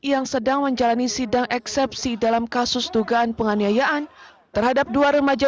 yang sedang menjalani sidang eksepsi dalam kasus dugaan penganiayaan terhadap dua remaja